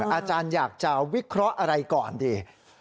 อาจารย์อยากจะวิเคราะห์อะไรก่อนดี